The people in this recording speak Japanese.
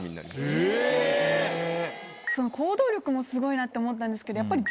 行動力もすごいなって思ったんですけどやっぱり。